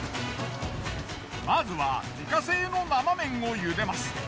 まずは自家製の生麺を茹でます。